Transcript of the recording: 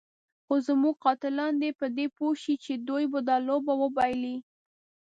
خو زموږ قاتلان دې په دې پوه شي چې دوی به دا لوبه وبایلي.